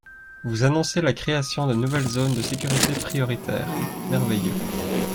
Vous annoncez la création de nouvelles zones de sécurité prioritaire, merveilleux